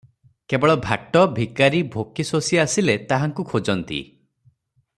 କେବଳ ଭାଟ, ଭିକାରୀ, ଭୋକୀ, ଶୋଷୀ ଆସିଲେ ତାହାଙ୍କୁ ଖୋଜନ୍ତି ।